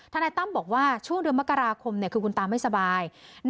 นายตั้มบอกว่าช่วงเดือนมกราคมคือคุณตาไม่สบาย